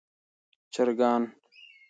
چرګان